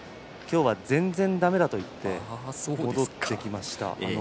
全然、今日はだめだったと言って戻ってきました。